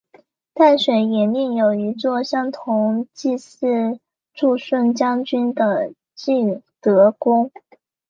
淡水也另有一座同样祭祀助顺将军的晋德宫。